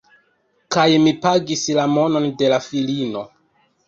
Kaj mi pagis la monon de la filino